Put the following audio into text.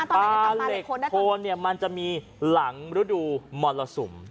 ปลาเหล็กโคนเนี่ยมันจะมีหลังฤดูมรสุม